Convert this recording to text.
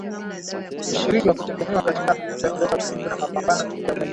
“mshirika wa kutegemewa katika azma yetu ya kuleta utulivu na mapambano dhidi ya ugaidi”